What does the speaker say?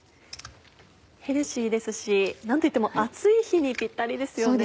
ヘルシーですし何といっても暑い日にぴったりですよね。